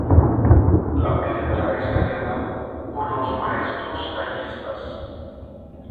La piedra es tallada por los maestros tallistas.